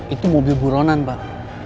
itu mobil buronan pak